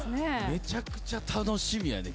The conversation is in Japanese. めちゃくちゃ楽しみやね。